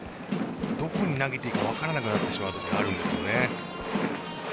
どこに投げていいか分からなくなってしまう時があるんですよね。